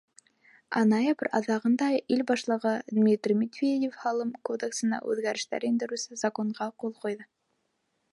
Ә ноябрь аҙағында ил башлығы Дмитрий Медведев Һалым кодексына үҙгәрештәр индереүсе законға ҡул ҡуйҙы.